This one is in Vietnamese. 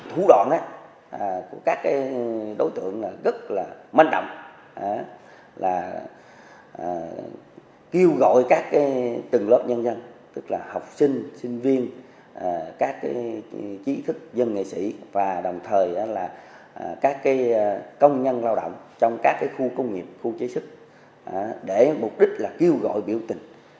thủ đoạn của các đối tượng rất là manh động là kêu gọi các từng lớp nhân dân tức là học sinh sinh viên các chí thức dân nghệ sĩ và đồng thời là các công nhân lao động trong các khu công nghiệp khu chế sức để mục đích là kêu gọi biểu tình